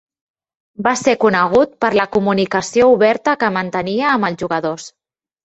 Va ser conegut per la comunicació oberta que mantenia amb els jugadors.